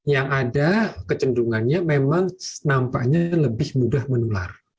yang ada kecenderungannya memang nampaknya lebih mudah menular